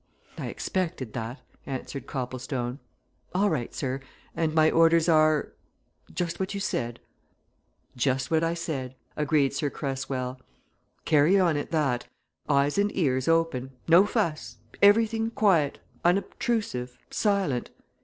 "I expected that," answered Copplestone. "All right, sir. And my orders are just what you said." "Just what I said," agreed Sir Cresswell. "Carry on at that eyes and ears open; no fuss; everything quiet, unobtrusive, silent.